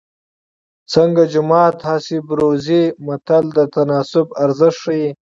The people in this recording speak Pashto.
څنګه جومات هسې بروزې متل د تناسب ارزښت ښيي